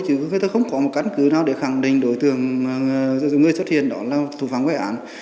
chứ không có một cán cứ nào để khẳng định đối tượng người xuất hiện đó là thủ phán vụ án